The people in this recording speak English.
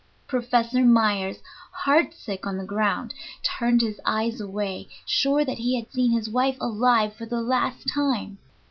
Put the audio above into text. Professor Myers, heart sick on the ground, turned his eyes away, sure that he had seen his wife alive for the last time.